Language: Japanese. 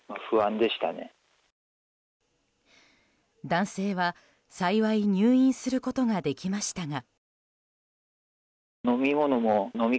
男性は幸い入院することができましたが。